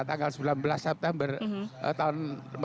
tanggal sembilan belas september tahun seribu sembilan ratus empat puluh lima